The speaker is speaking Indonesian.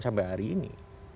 sampai hari ini